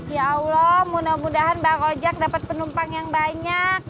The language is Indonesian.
ya allah mudah mudahan bang ojek dapat penumpang yang banyak